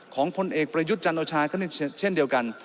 พลเอกประยุทธ์จันโอชาก็เช่นเดียวกัน